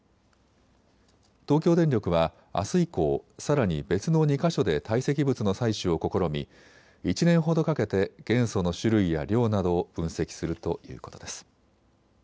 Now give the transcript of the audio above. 東京電力はあす以降、さらに別の２か所で堆積物の採取を試み１年ほどかけて元素の種類や量などを分析するということです。